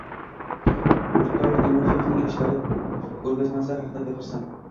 Oʻrtoq Timofeevning ishlari koʻrgazmasi haqida gapirsam.